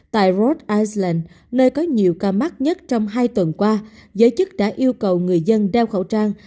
tại rod iceland nơi có nhiều ca mắc nhất trong hai tuần qua giới chức đã yêu cầu người dân đeo khẩu trang